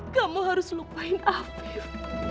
kamu harus lupain afif